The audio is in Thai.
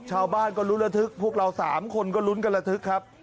ชาวบ้านก็รู้ระทึกพวกเรา๓คนก็ลุ้นกันระทึกครับ